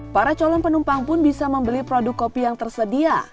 para calon penumpang pun bisa membeli produk kopi yang tersedia